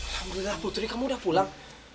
alhamdulillah putri kamu udah pulang